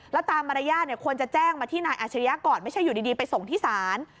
แล้วตามมารยาทควรจะแจ้งมาที่นายอาชริยะก่อนไม่ใช่อยู่ดีไปส่งที่ศาล